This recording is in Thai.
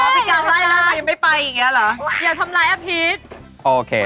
อ๋อพี่กาวไล่แล้วมันยังไม่ไปอย่างนี้แล้วเหรอ